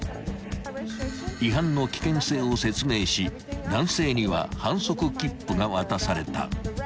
［違反の危険性を説明し男性には反則切符が渡された］